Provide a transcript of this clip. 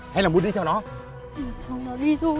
hay là muốn đi theo nó